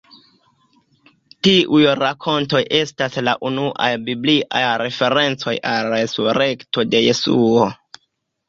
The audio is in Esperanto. Tiuj rakontoj estas la unuaj bibliaj referencoj al la resurekto de Jesuo.